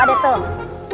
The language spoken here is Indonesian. eh ini pak ustadznya